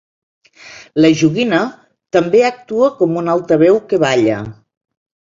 La joguina també actua com un altaveu que balla.